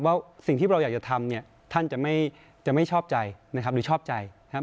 ว่าสิ่งที่เราอยากจะทำเนี่ยท่านจะไม่จะไม่ชอบใจนะครับหรือชอบใจนะครับ